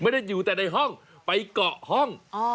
ไม่ได้อยู่แต่ในห้องไปเกาะห้อง